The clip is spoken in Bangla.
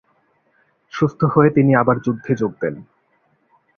সুস্থ হয়ে তিনি আবার যুদ্ধে যোগ দেন।